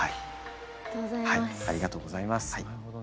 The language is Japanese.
ありがとうございます。